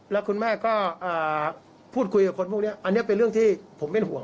แล้วคุณแม่ก็พูดคุยกับคนพวกนี้อันนี้เป็นเรื่องที่ผมเป็นห่วง